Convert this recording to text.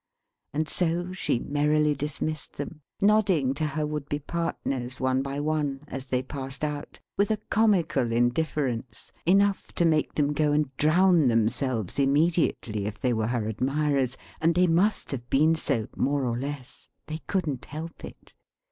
And so she merrily dismissed them: nodding to her would be partners, one by one, as they passed out, with a comical indifference, enough to make them go and drown themselves immediately if they were her admirers and they must have been so, more or less; they couldn't help it.